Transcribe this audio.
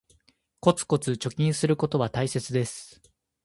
コツコツ貯金することは大切です